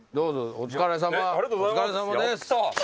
お疲れさまです。